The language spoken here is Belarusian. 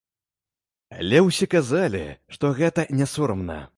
Але ўсе казалі, што гэта не сорамна.